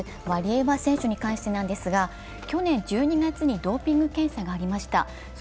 ワリエワ選手に関してなんですが、去年１２月にドーピング検査がありました。